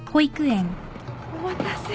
お待たせ。